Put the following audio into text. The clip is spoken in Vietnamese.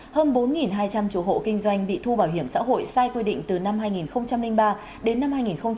hơn bốn hai trăm linh chủ hộ kinh doanh bị thu bảo hiểm xã hội sai quy định từ năm hai nghìn ba đến năm hai nghìn một mươi